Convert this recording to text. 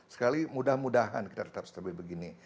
sekali mudah mudahan kita tetap stabil begini